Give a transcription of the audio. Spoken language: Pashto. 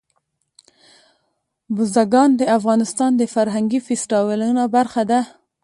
بزګان د افغانستان د فرهنګي فستیوالونو برخه ده.